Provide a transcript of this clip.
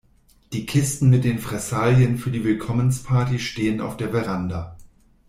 Die Kisten mit den Fressalien für die Willkommensparty stehen auf der Veranda.